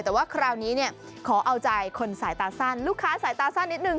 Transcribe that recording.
แต่ว่าคราวนี้เนี่ยขอเอาใจคนสายตาสั้นลูกค้าสายตาสั้นนิดนึ